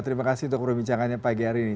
terima kasih untuk perbincangannya pagi hari ini